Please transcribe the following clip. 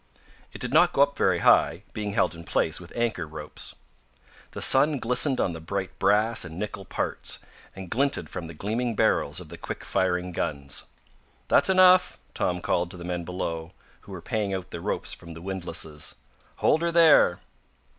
It did not go up very high, being held in place with anchor ropes. The sun glistened on the bright brass and nickel parts, and glinted from the gleaming barrels of the quick firing guns. "That's enough!" Tom called to the men below, who were paying out the ropes from the windlasses. "Hold her there."